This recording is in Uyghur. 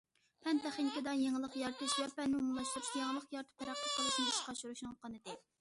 پەن- تېخنىكىدا يېڭىلىق يارىتىش ۋە پەننى ئومۇملاشتۇرۇش يېڭىلىق يارىتىپ تەرەققىي قىلىشنى ئىشقا ئاشۇرۇشنىڭ قانىتى.